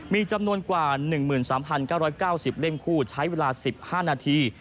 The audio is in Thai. มีจำนวนกว่า๑๓๙๙๐เล่มคู่ใช้เวลา๑๕นาที